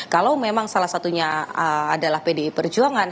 kalau memang salah satunya adalah pdi perjuangan